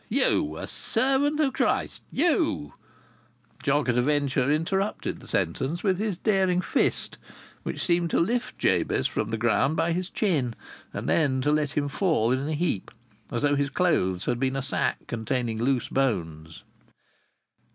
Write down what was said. You a servant o' Christ, you " Jock at a Venture interrupted the sentence with his daring fist, which seemed to lift Jabez from the ground by his chin, and then to let him fall in a heap, as though his clothes had been a sack containing loose bones.